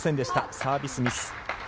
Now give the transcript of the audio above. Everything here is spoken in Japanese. サービスミス。